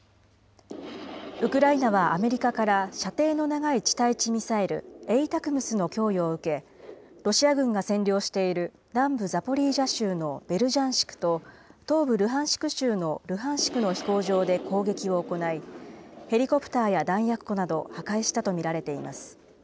ウクライナはアメリカから射程の長い地対地ミサイルＡＴＡＣＭＳの供与を受け、ロシア軍が占領している南部ザポリージャ州のベルジャンシクと東部ルハンシク州のルハンシクの飛行場で攻撃を行い、ヘリコプターや弾薬庫などを破壊したと見られています。